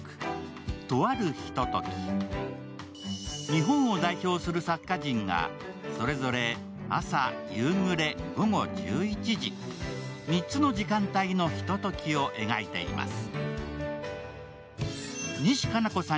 日本を代表する作家陣がそれぞれ朝、夕暮れ、午後十一時、３つの時間帯のひとときを描いています。